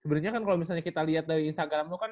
sebenernya kan kalo misalnya kita liat dari instagram lu kan